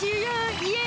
イエイ！